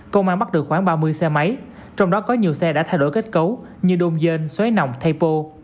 công an bắt được khoảng ba mươi xe máy trong đó có nhiều xe đã thay đổi kết cấu như đôn dơn xoài nòng thay pô